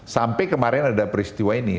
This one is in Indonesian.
sampai kemarin ada peristiwa ini